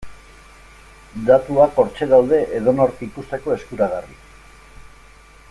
Datuak hortxe daude edonork ikusteko eskuragarri.